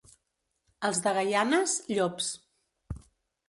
Els de Gaianes, llops.